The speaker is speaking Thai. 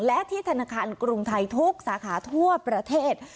และที่ธนาคารกรุงไทยทุกสาขาทั่วประเทศ